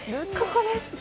ここです。